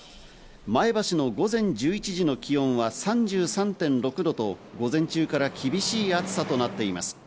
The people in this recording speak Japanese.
前橋の午前１１時の気温は３３．６度と午前中から厳しい暑さとなっています。